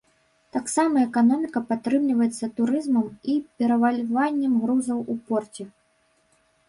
Таксама эканоміка падтрымліваецца турызмам і перавальваннем грузаў у порце.